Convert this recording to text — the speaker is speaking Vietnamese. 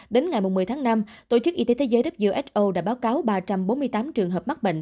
đến ngày một mươi tháng năm tổ chức y tế thế giới who đã báo cáo ba trăm bốn mươi tám trường hợp mắc bệnh